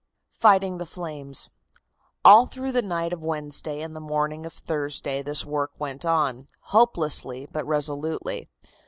FIGHTING THE FLAMES. All through the night of Wednesday and the morning of Thursday this work went on, hopelessly but resolutely.